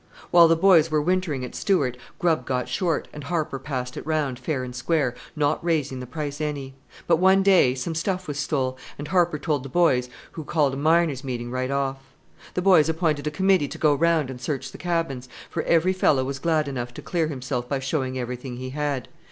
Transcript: "While the boys were wintering at Stewart grub got short, and Harper passed it round, fair and square not raising the price any. But one day some stuff was stole, and Harper told the boys, who called a miners' meeting right off. The boys appointed a committee to go round and search the cabins, for every fellow was glad enough to clear himself by showing everything he had.